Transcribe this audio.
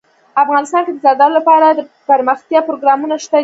افغانستان کې د زردالو لپاره دپرمختیا پروګرامونه شته دي.